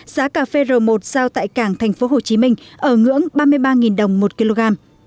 giá cà phê r một giao tại cảng tp hcm ở ngưỡng ba mươi ba đồng một kg